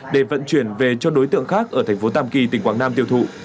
để vận chuyển về cho đối tượng khác ở thành phố tàm kỳ tỉnh quảng nam tiêu thụ